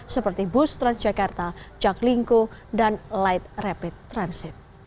seperti bus transjakarta jaklingko dan light rapid transit